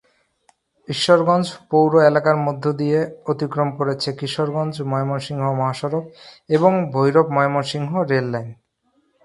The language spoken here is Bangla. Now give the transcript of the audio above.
ঈশ্বরগঞ্জ পৌর এলাকার মধ্যদিয়ে অতিক্রম করেছে কিশোরগঞ্জ-ময়মনসিংহ মহাসড়ক এবং ভৈরব-ময়মনসিংহ রেললাইন।